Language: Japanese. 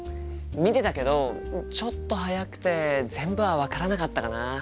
見てたけどちょっと速くて全部は分からなかったかな。